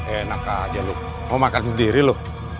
enak aja lo mau makan sendiri lo